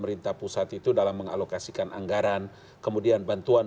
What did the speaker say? itu sudah dijelaskan